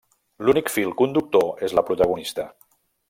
L'únic fil conductor és la protagonista.